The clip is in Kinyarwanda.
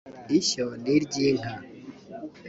ishyo ni iry’inka